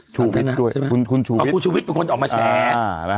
สัทนาดเพราะคุณชูวิตเป็นคนออกมาแชร์